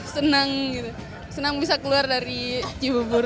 senang gitu senang bisa keluar dari cibubur